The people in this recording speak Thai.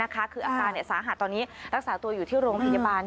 คืออาการสาหัสตอนนี้รักษาตัวอยู่ที่โรงพยาบาล